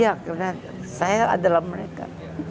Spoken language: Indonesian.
iya karena saya adalah mereka